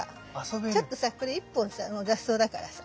ちょっとさこれ１本さ雑草だからさ。